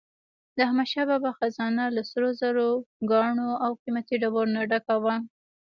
د احمدشاه بابا خزانه له سروزرو، ګاڼو او قیمتي ډبرو نه ډکه وه.